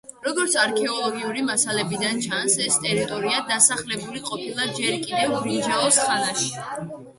როგორც არქეოლოგიური მასალებიდან ჩანს, ეს ტერიტორია დასახლებული ყოფილა ჯერ კიდევ ბრინჯაოს ხანაში.